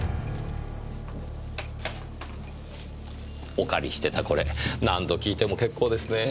お借りしてたこれ何度聴いても結構ですねぇ。